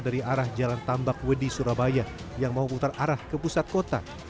dari arah jalan tambak wedi surabaya yang mau putar arah ke pusat kota